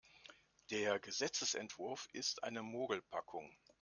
Der Gesetzesentwurf ist eine Mogelpackung.